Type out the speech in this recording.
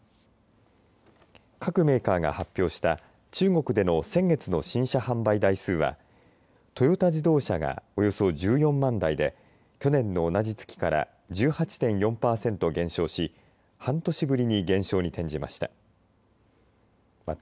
各メーカーが発表した中国での先月の新車販売台数はトヨタ自動車がおよそ１４万台で去年の同じ月から１８．４パーセント減少し半年ぶりに減少に転じました。